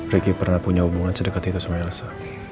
ricky pernah punya hubungan sedekat itu sama elsa